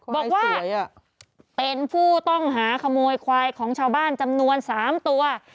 บอกว่าเป็นผู้ต้องหาขโมยควายของชาวบ้านจำนวน๓ตัว